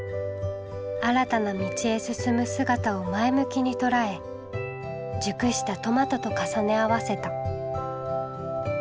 新たな道へ進む姿を前向きに捉え熟したトマトと重ね合わせた。